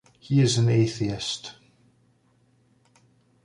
He is an atheist.